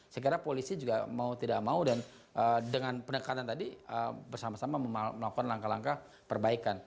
saya kira polisi juga mau tidak mau dan dengan pendekatan tadi bersama sama melakukan langkah langkah perbaikan